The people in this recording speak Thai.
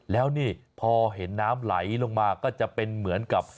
แล้วนี่พอเห็นน้ำไหลลงมาก็จะเป็นเหมือนกับ